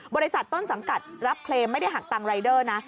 บริษัทต้นสังกัดรับเคลมไม่ได้หักตังค์รายเดอร์นะ